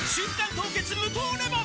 凍結無糖レモン」